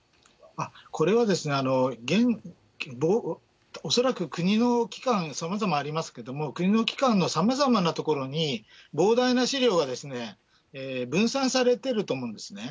これはですね、恐らく国の機関、さまざまありますけれども、国の機関のさまざまなところに膨大な資料が分散されてると思うんですね。